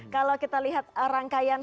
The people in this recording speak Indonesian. kalau kita lihat rangkaian